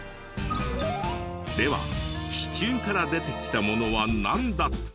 では支柱から出てきたものはなんだった？